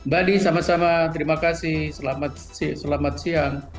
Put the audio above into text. bali sama sama terima kasih selamat siang